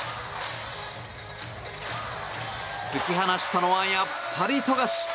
突き放したのはやっぱり富樫。